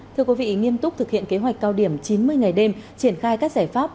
thưa quý vị nghiêm túc thực hiện kế hoạch cao điểm chín mươi ngày đêm triển khai các giải pháp